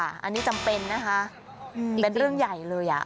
อันนี้จำเป็นนะคะเป็นเรื่องใหญ่เลยอ่ะ